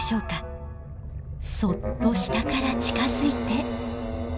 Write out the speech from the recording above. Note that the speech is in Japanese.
そっと下から近づいて。